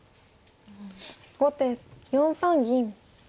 後手４三銀。